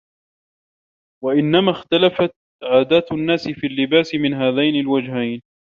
وَإِنَّمَا اخْتَلَفَتْ عَادَاتُ النَّاسِ فِي اللِّبَاسِ مِنْ هَذَيْنِ الْوَجْهَيْنِ